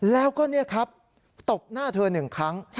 แล้วก็นี่ครับตบหน้าเธอ๑ครั้ง